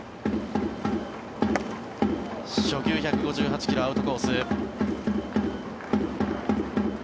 初球、１５８ｋｍアウトコース。